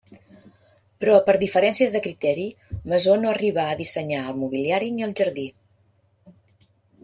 Però per diferències de criteri Masó no arribà a dissenyar el mobiliari ni el jardí.